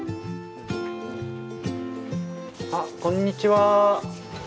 あっこんにちは。